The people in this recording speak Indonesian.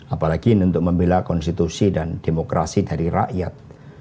apalagi untuk membela konstitusi dan demokrasi dari rakyat